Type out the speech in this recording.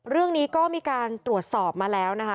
เรื่องนี้ก็มีการตรวจสอบมาแล้วนะคะ